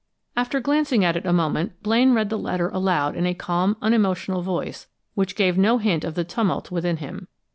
After glancing at it a moment Blaine read the letter aloud in a calm, unemotional voice which gave no hint of the tumult within him.